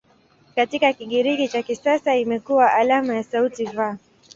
Katika Kigiriki cha kisasa imekuwa alama ya sauti "V".